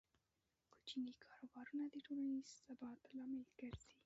کوچني کاروبارونه د ټولنیز ثبات لامل ګرځي.